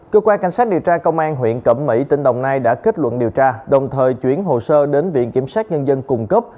cơ quan cảnh sát điều tra công an huyện cẩm mỹ tỉnh đồng nai đã kết luận điều tra đồng thời chuyển hồ sơ đến viện kiểm sát nhân dân cung cấp